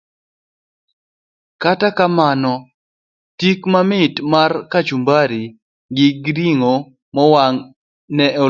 Kata kamano, tik mamit mar kachumbari gi ring'o mowang' ne oloye.